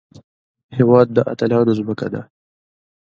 هېواد د اتلانو ځمکه ده